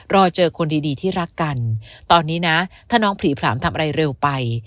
รอเจอคนดีที่รักกันตอนนี้นะถ้าน้องผลีผลามทำอะไรเร็วไป